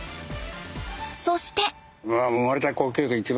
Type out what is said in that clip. そして。